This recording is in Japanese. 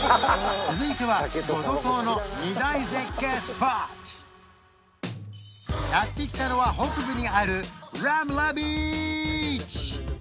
続いてはやって来たのは北部にあるラムラビーチ！